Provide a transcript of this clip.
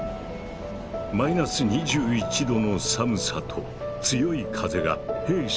マイナス２１度の寒さと強い風が兵士たちを襲う。